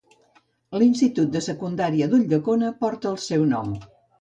L'institut de secundària d'Ulldecona porta el seu nom.